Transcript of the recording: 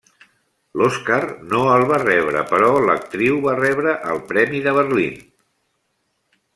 L'Oscar no el va rebre, però l'actriu va rebre el premi de Berlín.